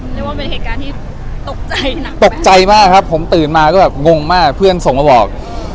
เรียกว่าเป็นเหตุการณ์ที่ตกใจนะตกใจมากครับผมตื่นมาก็แบบงงมากเพื่อนส่งมาบอก